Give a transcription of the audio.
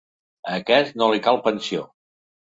A aquest no li cal pensió.